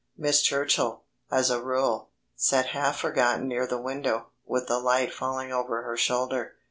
Miss Churchill, as a rule, sat half forgotten near the window, with the light falling over her shoulder.